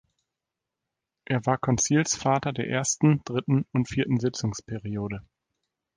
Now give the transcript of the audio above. Er war Konzilsvater der ersten, dritten und vierten Sitzungsperiode.